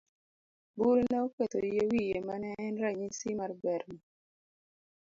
Buru ne oketho yie wiye mane en ranyisi mar berne.